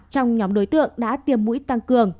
trong nhóm đối tượng đã tiêm mũi tăng cường